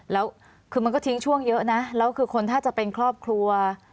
แล้วคือมันก็ทิ้งช่วงเยอะนะแล้วคือคนถ้าจะเป็นครอบครัว